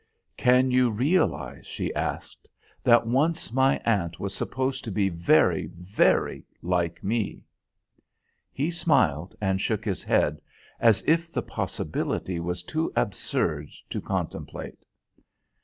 "Can you realise," she asked, "that once my aunt was supposed to be very, very like me?" He smiled and shook his head, as if the possibility was too absurd to contemplate.